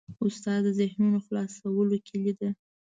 استاد د ذهنونو خلاصولو کلۍ ده.